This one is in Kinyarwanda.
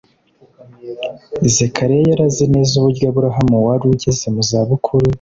Zakariya yari azi neza uburyo Aburahamu wari ugeze mu zabukuru